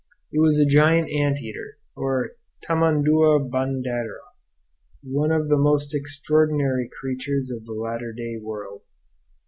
It was a giant ant eater, or tamandua bandeira, one of the most extraordinary creatures of the latter day world.